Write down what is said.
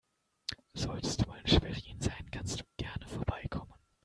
Solltest du mal in Schwerin sein, kannst du gerne vorbeikommen.